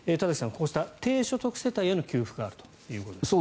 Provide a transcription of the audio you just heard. こうした低所得世帯への給付があるということですね。